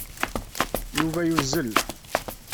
Yuba yuzzel.